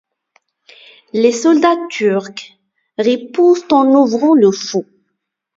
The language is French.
Les soldats turcs ripostent en ouvrant le feu.